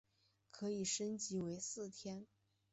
可以升级成为四天。